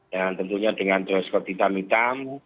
yang tentunya dengan jual skopitam hitam